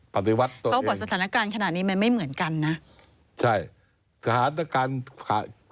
ปฏิวัติตัวเองเพราะว่าสถานการณ์ขนาดนี้มันไม่เหมือนกันนะ